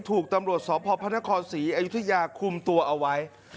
ถูกตำรวจสอบพระพระนครศรีอย่างตัวเอาไว้